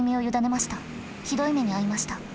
ひどい目に遭いました。